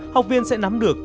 học viên sẽ nắm được